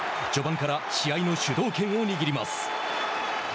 序盤から試合の主導権を握ります。